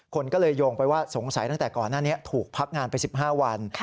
คนก็เลยโยงไปว่าสงสัยตั้งแต่ก่อนหน้านี้ถูกพักงานไป๑๕วัน